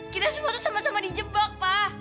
kita semua tuh sama sama dijebak pak